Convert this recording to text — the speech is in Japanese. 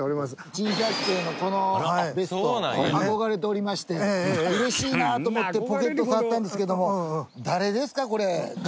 『珍百景』のこのベスト憧れておりまして嬉しいなと思ってポケット触ったんですけども。